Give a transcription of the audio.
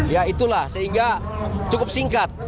ya itulah sehingga cukup singkat